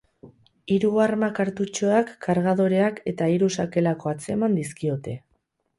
Hiru arma kartutxoak, kargadoreak eta hiru sakelako atzeman dizkiote.